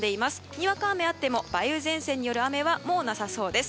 にわか雨あっても梅雨前線による雨はもうなさそうです。